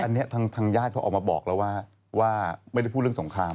อันนี้ทางญาติเขาออกมาบอกแล้วว่าไม่ได้พูดเรื่องสงคราม